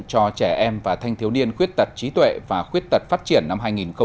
cho trẻ em và thanh thiếu niên khuyết tật trí tuệ và khuyết tật phát triển năm hai nghìn hai mươi bốn